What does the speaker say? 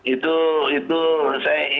itu itu saya ingatkan